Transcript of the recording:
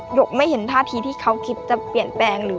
หกไม่เห็นท่าทีที่เขาคิดจะเปลี่ยนแปลงหรือ